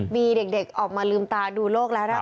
มีเด็กออกมาลืมตาดูโลกแล้วนะคะ